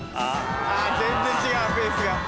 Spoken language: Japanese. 全然違うペースが。